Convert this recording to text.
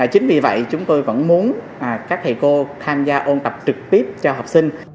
chính vì vậy chúng tôi vẫn muốn các thầy cô tham gia ôn tập trực tiếp cho học sinh